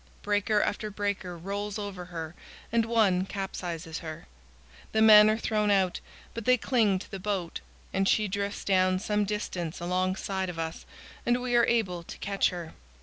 Breaker after breaker rolls over her and one capsizes her. The men are thrown out; but they cling to the boat, and she drifts down some distance alongside of us and we are able to catch her.